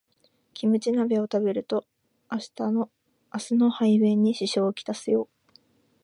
キムチ鍋食べると明日の排便に支障をきたすよ